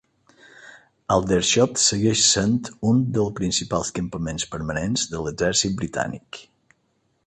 Aldershot segueix sent un dels principals campaments permanents de l'exèrcit britànic.